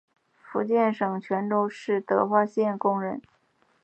福建省泉州市德化县工人。